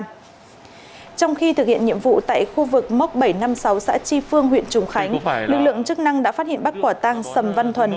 trong khi thực hiện nhiệm vụ tại khu vực móc bảy trăm năm mươi sáu xã tri phương huyện trùng khánh lực lượng chức năng đã phát hiện bác quả tang sầm văn thuần